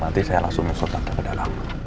nanti saya langsung musuh tante ke dalam